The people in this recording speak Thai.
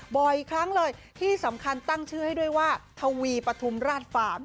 บ่อยครั้งเลยที่สำคัญตั้งชื่อให้ด้วยว่าทวีปฐุมราชฟาร์ม